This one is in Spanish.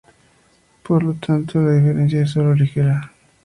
Por lo tanto, la diferencia es solo ligera.